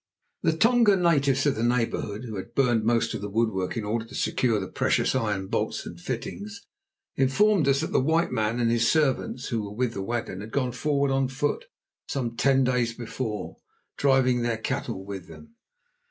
The Tonga natives of the neighbourhood, who had burned most of the woodwork in order to secure the precious iron bolts and fittings, informed us that the white man and his servants who were with the wagon had gone forward on foot some ten days before, driving their cattle with them.